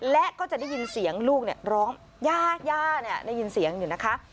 และก็จะได้ยินเสียงลูกร้องย่าย่าได้ยินเสียงอยู่นะคะ